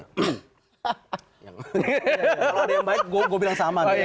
kalau ada yang baik gue bilang sama nih